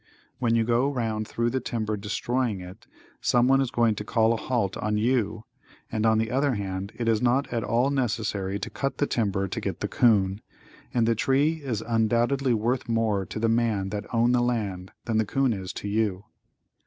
When you go around thru the timber destroying it, some one is going to call a halt on YOU, and on the other hand it is not at all necessary to cut the timber to get the 'coon, and the tree is undoubtedly worth more to the man that own the land than the 'coon is to you.